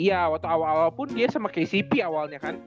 iya waktu awal awal pun dia sama kcp awalnya kan